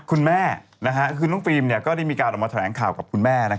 คุณแม่คือน้องฟิล์มก็ได้มีการออกมาแถลงข่าวกับคุณแม่